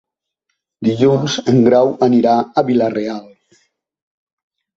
Dilluns en Grau anirà a Vila-real.